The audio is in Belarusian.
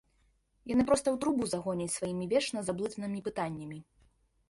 Яны проста ў трубу загоняць сваімі вечна заблытанымі пытаннямі.